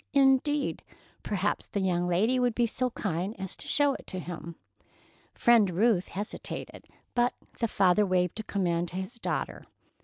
Indeed! Perhaps the young lady would be so kind as to show it to him? Friend Ruth hesitated, but the father waved a command to his daughter.